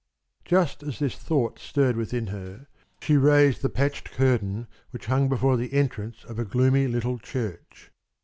Just as this thought stirred within her, she raised the patched curtain which hung before the entrance of a gloomy little church.